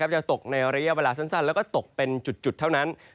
จะตกในระยะเวลาสั้นแล้วก็ตกเป็นจุดเท่านั้น